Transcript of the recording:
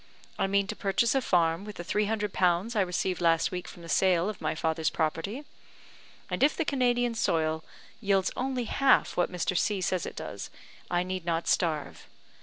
I mean to purchase a farm with the three hundred pounds I received last week from the sale of my father's property; and if the Canadian soil yields only half what Mr. C says it does, I need not starve.